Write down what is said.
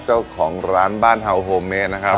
เจ้าของร้านบ้านเฮาวโฮเมดนะครับ